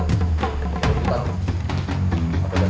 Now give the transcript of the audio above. jangan sampai kalian saya ngumpul abik semua